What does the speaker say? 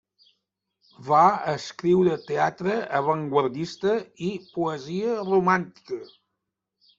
Va escriure teatre avantguardista i poesia romàntica.